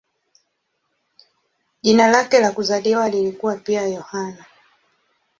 Jina lake la kuzaliwa lilikuwa pia "Yohane".